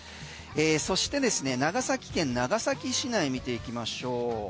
そして、長崎県長崎市内見ていきましょう。